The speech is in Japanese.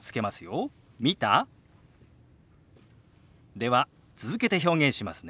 では続けて表現しますね。